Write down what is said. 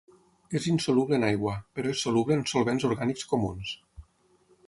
És insoluble en aigua, però és soluble en solvents orgànics comuns.